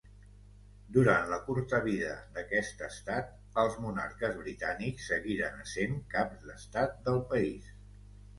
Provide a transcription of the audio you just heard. Durant la curta vida d'aquest estat, els monarques britànics seguiren essent caps d'estat del país.